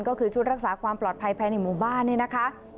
ก็คือชุดรักษาความปลอดภัยภายในหมู่บ้านนี่นะคะ